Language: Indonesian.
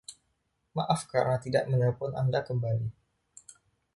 Maaf karena tidak menelepon Anda kembali.